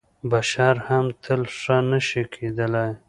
بشر هم تل ښه نه شي کېدلی .